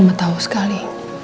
mama tau sekali